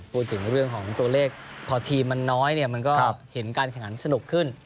พูดถึงเรื่องของตัวเลขพอทีมมันน้อยเนี่ยมันก็เห็นการแข่งขันที่สนุกขึ้น